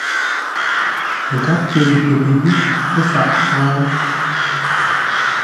Gháp pə ghəpə́ yé faʼ wó.